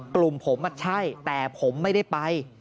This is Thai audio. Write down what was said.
กลุ่มผมใช่แต่ผมไม่ได้ไป